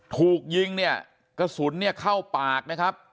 ถูกยิงเนี่ยกระสุนเนี่ยเข้าปากนะครับ